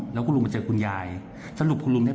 แล้วคุณลุงมาเจอคุณยายสรุปคุณลุงเนี่ย